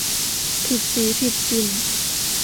ผิดสีผิดกลิ่น